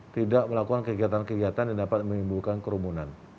tidak melakukan kegiatan kegiatan yang dapat menimbulkan kerumunan